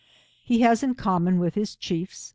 He has ia | common with his ctiiefs.